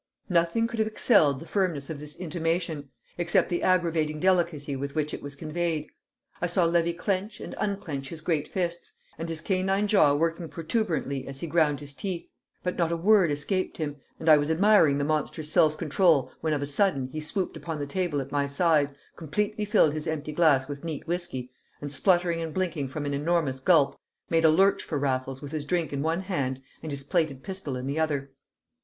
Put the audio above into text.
Nothing could have excelled the firmness of this intimation, except the exggravating delicacy with which it was conveyed. I saw Levy clench and unclench his great fists, and his canine jaw working protuberantly as he ground his teeth. But not a word escaped him, and I was admiring the monster's self control when of a sudden he swooped upon the table at my side, completely filled his empty glass with neat whiskey, and, spluttering and blinking from an enormous gulp, made a lurch for Raffles with his drink in one hand and his plated pistol in the other.